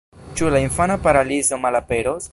Ĉu la infana paralizo malaperos?